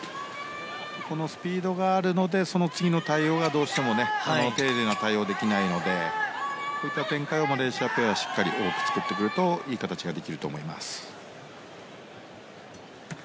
このスピードがあるのでその次の対応がどうしても丁寧な対応ができないのでこういった展開をマレーシアペアはしっかり多く作ってくるといい形ができると思います。